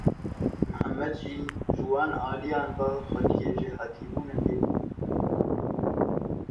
Mihemed jî ji wan aliyan ve xwediyê jêhatîbûnekê bû.